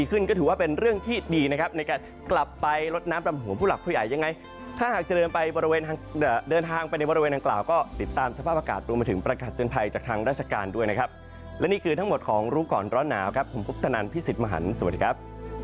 ขึ้นก็ถือว่าเป็นเรื่องที่ดีนะครับในการกลับไปรถน้ำตำหัวผู้หลักผู้ใหญ่ยังไงถ้าหากจะเดินทางไปในบริเวณอังกล่าวก็ติดตามสภาพอากาศรวมมาถึงปรากฏเตือนภัยจากทางราชการด้วยนะครับและนี่คือทั้งหมดของรู้ก่อนร้อนหนาวครับผมพุทธนันทร์พี่สิทธิ์มหันสวัสดีครับ